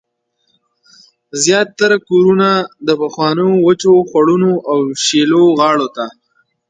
زیاتره کورونه د پخوانیو وچو خوړونو او شیلو غاړو ته